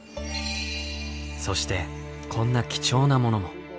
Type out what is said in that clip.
そしてこんな貴重なものも。